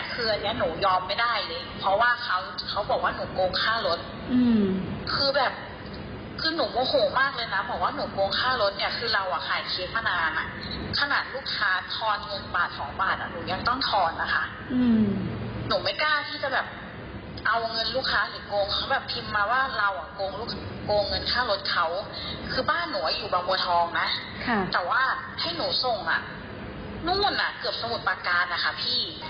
ผมรู้ว่าคือบ้านหน่อยอยู่บางโบรธองนะแต่ว่าให้หนูส่งหนูวันน่ะเกือบสมุดปากการนะคะพี่